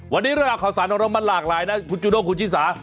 วันนี้ของสาธาระบันมากหลายคุณจูโดคุณชีสา